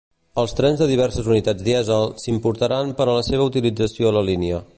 Els trens de diverses unitats dièsel s'importaran per a la seva utilització a la línia.